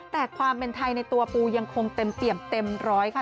แต่ความเป็นไทยในตัวปูยังคงเต็มเปี่ยมเต็มร้อยค่ะ